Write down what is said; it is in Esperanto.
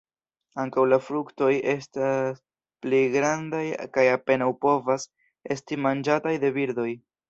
Ankaŭ la fruktoj estas pli grandaj kaj apenaŭ povas esti manĝataj de birdoj.